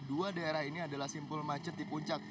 dua daerah ini adalah simpul macet di puncak